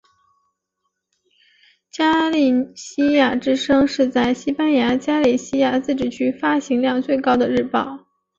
加利西亚之声是在西班牙加利西亚自治区发行量最高的日报。